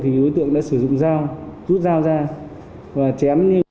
thì đối tượng đã sử dụng dao rút dao ra và chém